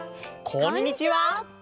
こんにちは！